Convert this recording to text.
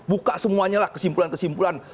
buka semuanya lah kesimpulan kesimpulan